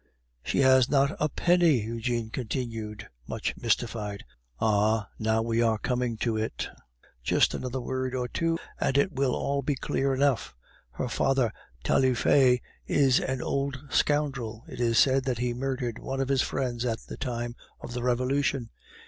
"She has not a penny," Eugene continued, much mystified. "Ah! now we are coming to it! Just another word or two, and it will all be clear enough. Her father, Taillefer, is an old scoundrel; it is said that he murdered one of his friends at the time of the Revolution.